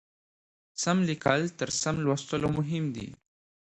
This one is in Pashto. سم لیکل تر سم لوستلو مهم دي.